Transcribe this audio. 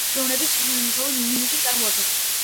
ჭიშკარი ასურული ხელოვნების შესანიშნავ ნიმუშს წარმოადგენს.